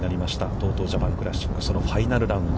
ＴＯＴＯジャパンクラシック、そのファイナルラウンド。